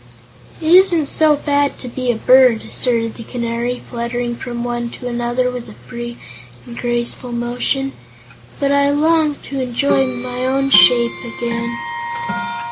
"It isn't so bad to be a bird," asserted the Canary, fluttering from one to another with a free and graceful motion, "but I long to enjoy my own shape again."